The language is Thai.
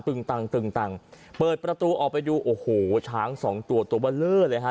ตังตึงตังเปิดประตูออกไปดูโอ้โหช้างสองตัวตัวเบอร์เลอร์เลยฮะ